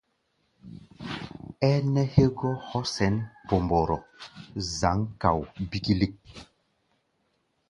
Ɛ́ɛ́ nɛɛ hɛ́gɔ́ hɔ́ sɛn Pɔmbɔrɔ, zǎŋ kao bíkílík.